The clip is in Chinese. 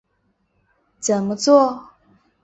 怎么作？